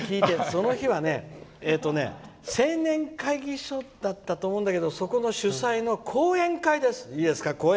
その日は青年会議所だったと思うんだけどそこの主催の講演会です。